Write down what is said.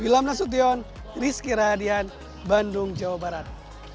wilham nasution rizky radian bandung jawa barat